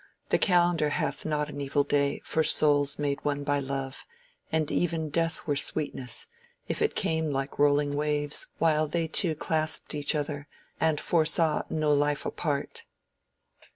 The calendar hath not an evil day For souls made one by love, and even death Were sweetness, if it came like rolling waves While they two clasped each other, and foresaw No life apart.